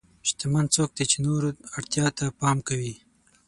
شتمن څوک دی چې د نورو اړتیا ته پام کوي.